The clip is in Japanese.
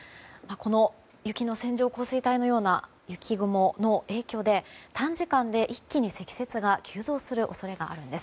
この雪の線状降水帯のような雪雲の影響で短時間で一気に積雪が急増する恐れがあります。